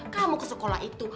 kamu ke sekolah itu